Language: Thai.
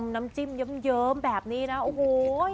น้ำจิ้มเยิ้มแบบนี้นะโอ้โห